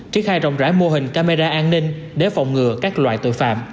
tri khai rộng rãi mô hình camera an ninh để phòng ngừa các loại tội phạm